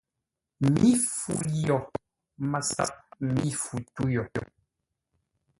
Mǐ fu li yo! MASAP mí fu tû yo.